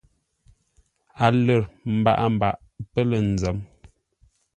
A lər mbaʼa-mbaʼ pə́ lə̂ nzə̌m.